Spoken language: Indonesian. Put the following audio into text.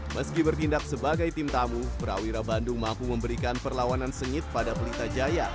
meski bertindak sebagai tim tamu prawira bandung mampu memberikan perlawanan sengit pada pelita jaya